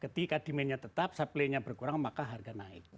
ketika demandnya tetap supply nya berkurang maka harga naik